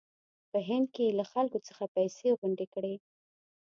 په هند کې یې له خلکو څخه پیسې غونډې کړې.